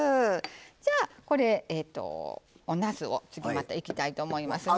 じゃあこれおなすを次またいきたいと思いますね。